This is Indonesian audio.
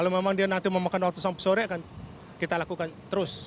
kalau memang dia nanti memakan waktu sampai sore akan kita lakukan terus